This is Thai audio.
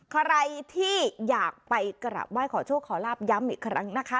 ใครที่อยากไปกราบไหว้ขอโชคขอลาบย้ำอีกครั้งนะคะ